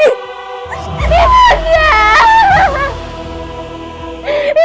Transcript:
itu tidak boleh terjadi